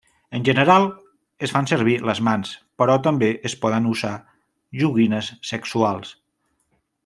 En general es fan servir les mans, però també es poden usar joguines sexuals.